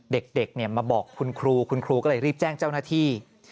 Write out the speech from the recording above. เด็กมาบอกคุณครูคุณครูก็เลยรีบแจ้งเจ้าหน้าที่